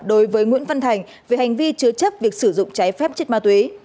đối với nguyễn văn thành về hành vi chứa chấp việc sử dụng trái phép chất ma túy